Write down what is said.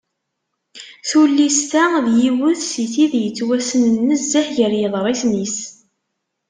Tullist-a d yiwet si tid yettwassnen nezzeh gar yeḍrisen-is.